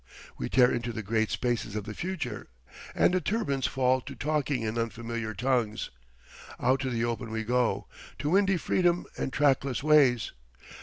We tear into the great spaces of the future and the turbines fall to talking in unfamiliar tongues. Out to the open we go, to windy freedom and trackless ways.